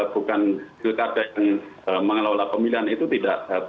bukan pilkada yang mengelola pemilihan itu tidak